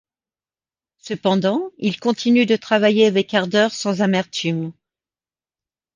Cependant, il continue de travailler avec ardeur sans amertume.